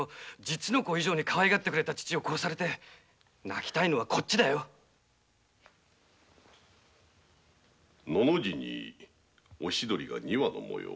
実の子以上にかわいがってくれた父を殺されて泣きたいのはこっちだよ「の」の字に「おしどり」が二羽の模様。